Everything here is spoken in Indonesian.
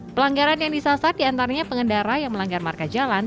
pelanggaran yang disasar diantaranya pengendara yang melanggar marka jalan